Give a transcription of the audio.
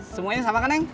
semuanya sama kan eng